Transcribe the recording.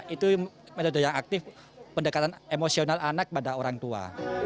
itu metode yang aktif pendekatan emosional anak pada orang tua